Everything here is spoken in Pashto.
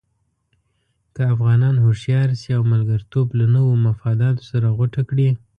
که افغانان هوښیار شي او ملګرتوب له نویو مفاداتو سره غوټه کړي.